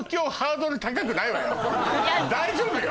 大丈夫よ。